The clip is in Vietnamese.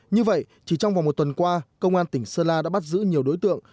như vậy chỉ trong vòng một tuần qua công an tỉnh sơn la đã bắt giữ nhiều đối tượng